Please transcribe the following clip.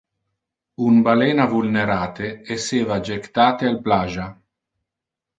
Un balena vulnerate esseva jectate al plagia.